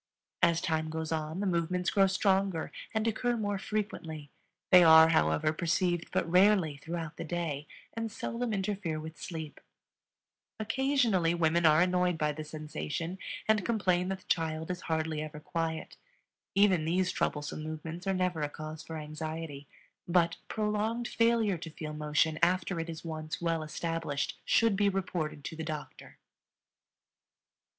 As time goes on the movements grow stronger and occur more frequently; they are, however, perceived but rarely throughout the day and seldom interfere with sleep. Occasionally women are annoyed by the sensation and complain that the child is hardly ever quiet. Even these troublesome movements are never a cause for anxiety; but prolonged failure to feel motion after it is once well established should be reported to the doctor.